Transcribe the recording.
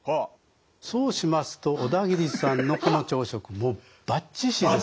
そうしますと小田切さんのこの朝食もうバッチシです。